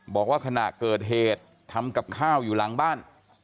บอกว่าขณะเกิดเหตุทำกับข้าวอยู่หลังบ้าน